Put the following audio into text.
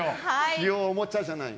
今日おもちゃじゃない。